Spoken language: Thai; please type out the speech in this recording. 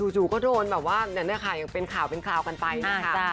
จู่ก็โดนแบบว่าเนี่ยค่ะยังเป็นข่าวเป็นคราวกันไปนะคะ